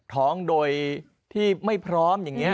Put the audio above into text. ท้องโดยที่ไม่พร้อมอย่างนี้